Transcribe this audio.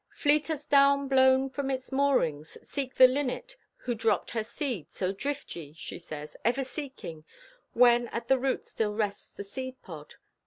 "Fleet as down blown from its moorings, seeking the linnet who dropped her seed, so drift ye," she says, "ever seeking, when at the root still rests the seed pod."